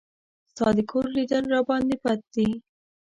ستا د کور لیدل راباندې بد دي.